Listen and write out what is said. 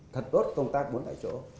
thật tốt công tác bốn tại chỗ